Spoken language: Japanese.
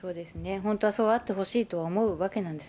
本当はそうあってほしいと思うわけなんです